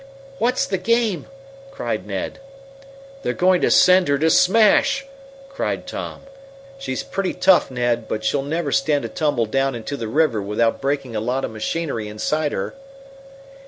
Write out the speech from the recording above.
"What's the game?" cried Ned. "They're going to send her to smash!" cried Tom. "She's pretty tough, Tom, but she'll never stand a tumble down into the river without breaking a lot of machinery inside her."